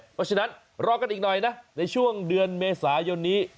เพราะฉะนั้นรอกันอีกหน่อยนะในช่วงเดือนเมษายนนี้